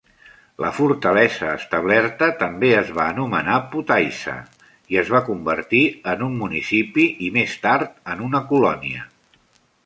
La fortalesa establerta també es va anomenar "Potaissa" i es va convertir en un municipi, i més tard en una colònia.